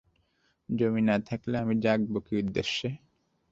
জমি না থাকলে, আমি জাগবো কী উদ্দেশ্যে?